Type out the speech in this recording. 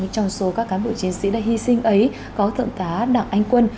trong số các cán bộ chiến sĩ đã hy sinh ấy có thượng tá đảng anh quân